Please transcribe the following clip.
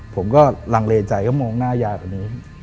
ผมก็หลังเลใจเข้ามองหน้ายากอันนี้